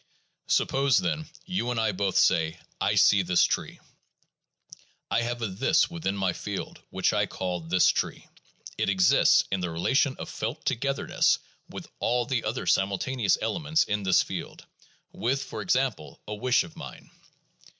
Suppose, then, you and I both say, "I see this tree." I have a "this" within my field which I call "this tree." It exists in the relation of felt togetherness with all the other simultaneous elements in this field — with, for example, a wish of mine.